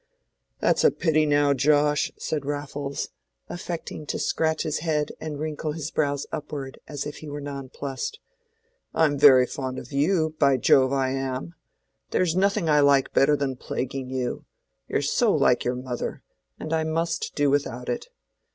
"That's a pity, now, Josh," said Raffles, affecting to scratch his head and wrinkle his brows upward as if he were nonplussed. "I'm very fond of you; by Jove, I am! There's nothing I like better than plaguing you—you're so like your mother, and I must do without it.